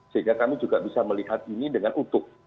sehingga kami juga bisa melihat ini dengan utuh